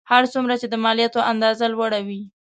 هر څومره چې د مالیاتو اندازه لوړه وي